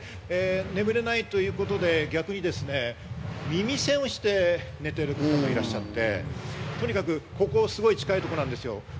眠れないということで逆にですね、耳栓をして寝ている方もいらっしゃって、とにかく、ここはすごく近いところなんですよ。